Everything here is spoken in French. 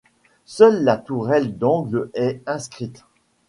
Seule la tourelle d'angle est inscrite.